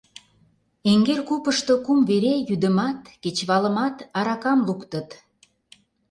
Эреҥер купышто кум вере йӱдымат кечывалымат аракам луктыт.